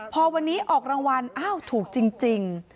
พอวันนี้ออกรางวัลอ้าวถูกจริง